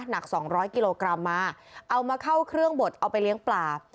หนัก๒๐๐กิโลกรัมมาเอามาเข้าเครื่องบดเอาไปเลี้ยงปลา